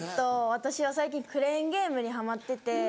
私は最近クレーンゲームにハマってて。